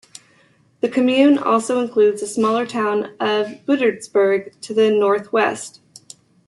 The commune also includes the smaller town of Budersberg, to the north-west.